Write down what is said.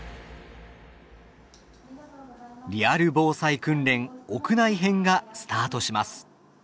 「リアル防災訓練屋内編」がスタートします。